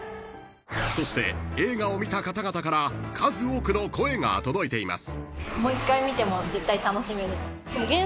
［そして映画を見た方々から数多くの声が届いています］